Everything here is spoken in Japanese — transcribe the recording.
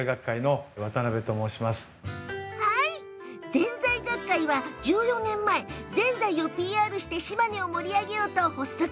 ぜんざい学会はぜんざいをＰＲして島根を盛り上げようと１４年前に発足。